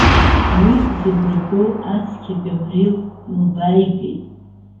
Уи, зыгәра гоу ацқьа Гаврил илбааигеит.